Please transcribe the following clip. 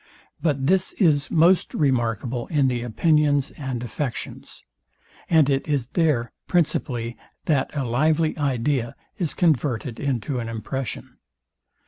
But this is most remarkable in the opinions and affections; and it is there principally that a lively idea is converted into an impression.